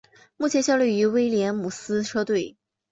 目前效力于威廉姆斯车队。